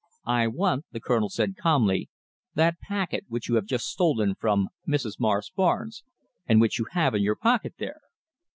"I want," the Colonel said calmly, "that packet which you have just stolen from Mrs. Morris Barnes, and which you have in your pocket there!"